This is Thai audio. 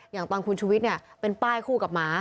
อย่างตอนคุณชุวิตเนี่ยเป็นป้ายคู่กับหมา